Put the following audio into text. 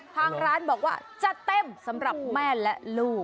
ทางร้านบอกว่าจะเต็มสำหรับแม่และลูก